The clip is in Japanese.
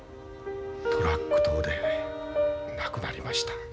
トラック島で亡くなりました。